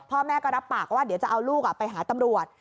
พ่อแม่ก็รับปากว่าเดี๋ยวจะเอาลูกไปหาตำรวจ